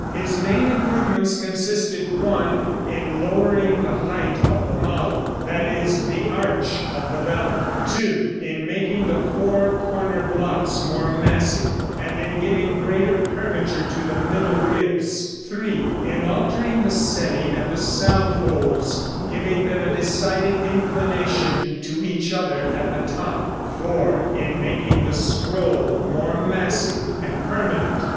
His main improvements consisted (1) in lowering the height of the model that is, the arch of the belly; (2) in making the four corner blocks more massive, and in giving greater curvature to the middle ribs; (3) in altering the setting of the sound holes, giving them a decided inclination to each other at the top; (4) in making the scroll more massive and permanent.